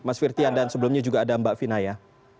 mas firtian dan sebelumnya juga ada mbak vina ya